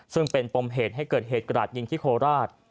ซึ่งเป็นปมเหตุให้เกิดเหตุกระดาษยิงที่โคราช